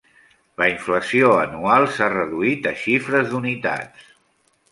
La inflació anual s'ha reduït a xifres d'unitats.